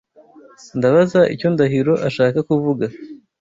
Ndabaza icyo Ndahiro ashaka kuvuga.